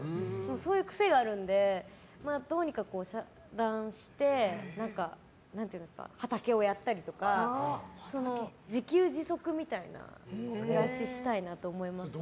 そういう癖があるのでどうにか遮断して畑をやったりとか自給自足みたいな暮らしをしたいなと思います。